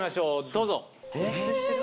どうぞ。